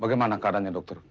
bagaimana keadaannya dokter